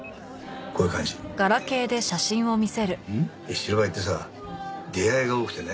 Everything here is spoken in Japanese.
白バイってさ出会いが多くてね。